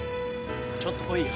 ちょっと来いよ。